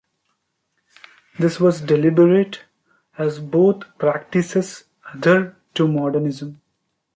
This was deliberate as both practices adhere to modernism.